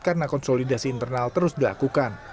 karena konsolidasi internal terus dilakukan